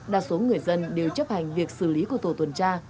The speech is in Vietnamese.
đa số người dân đều chấp hành việc xử lý của tổ tuần tra